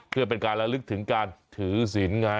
เพื่อเป็นการระนึกถึงตัวศีลไง